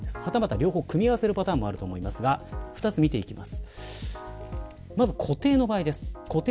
両方組み合わせるパターンもあると思いますが２つ見ていきます。